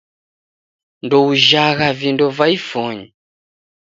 Ndoujhagha vindo va ifonyi